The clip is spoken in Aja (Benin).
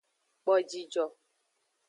Kpo jijo.